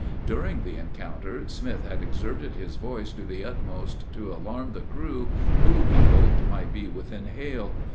During the encounter, Smith had exerted his voice to the utmost to alarm the crew, who, he hoped, might be within hail.